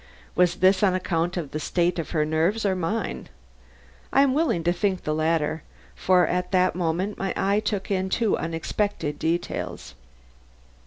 Was this on account of the state of her nerves or mine? I am willing to think the latter, for at that moment my eye took in two unexpected details.